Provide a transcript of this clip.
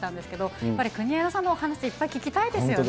やっぱり国枝さんのお話いっぱい聞きたいですよね。